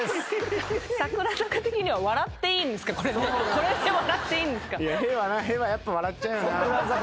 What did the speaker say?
これで笑っていいんですか？